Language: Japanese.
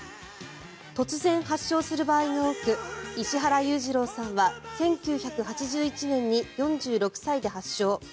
突然発症する場合が多く石原裕次郎さんは１９８１年に４６歳で発症。